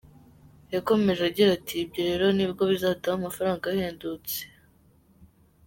Yakomeje agira ati “Ibyo rero nibwo bizaduha ya mafaranga ahendutse.